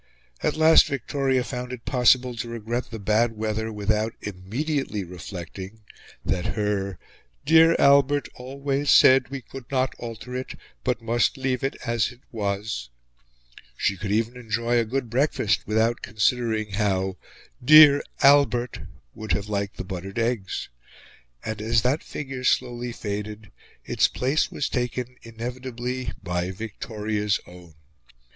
At last Victoria found it possible to regret the bad weather without immediately reflecting that her "dear Albert always said we could not alter it, but must leave it as it was;" she could even enjoy a good breakfast without considering how "dear Albert" would have liked the buttered eggs. And, as that figure slowly faded, its place was taken, inevitably, by Victoria's own.